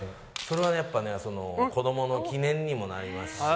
それはやっぱねその子どもの記念にもなりますし。